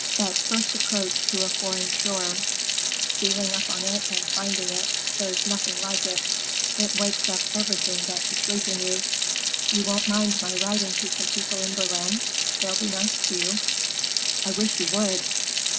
"That first approach to a foreign shore, stealing up on it and finding it—there's nothing like it. It wakes up everything that's asleep in you. You won't mind my writing to some people in Berlin? They'll be nice to you." "I wish you would."